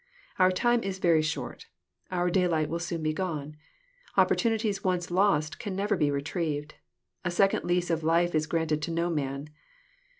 Our time is very short. j Our daylight will soon be gone. Opportunities once lost / can never be retrieved. A second lease of life is granted to no man.